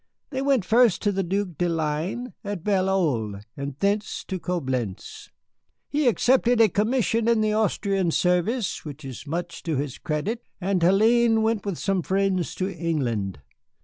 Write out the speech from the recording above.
They went first to the Duke de Ligne, at Bel Oeil, and thence to Coblentz. He accepted a commission in the Austrian service, which is much to his credit, and Hélène went with some friends to England.